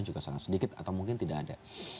juga sangat sedikit atau mungkin tidak ada